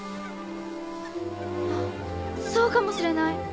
あそうかもしれない。